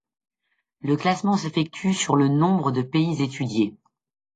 Le classement s'effectue sur le nombre de pays étudiés.